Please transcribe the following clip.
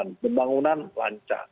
kemudian pembangunan lancar